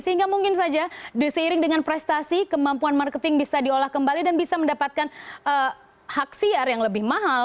sehingga mungkin saja seiring dengan prestasi kemampuan marketing bisa diolah kembali dan bisa mendapatkan hak siar yang lebih mahal